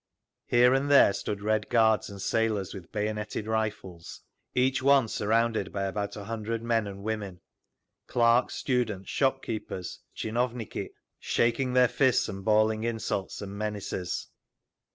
Here and there stood Red Guards and sailors, with bayonetted rifles, each one surrounded by about a hundred men and women—clerks, students, shopkeepers, tchinovniki—shaking their fists and bawling insults and menaces.